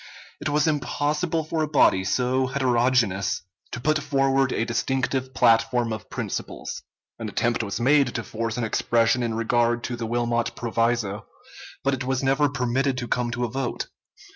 It was impossible for a body so heterogeneous to put forward a distinctive platform of principles. An attempt was made to force an expression in regard to the Wilmot proviso, but it was never permitted to come to a vote.